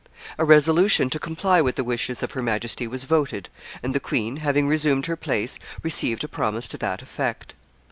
A resolution to comply with the wishes of her Majesty was voted, and the queen, having resumed her place, received a promise to that effect.